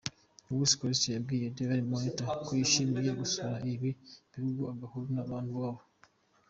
Luis García yabwiye Daily Monitor ko yishimiye gusura ibi bihugu, agahura n’abantu baho.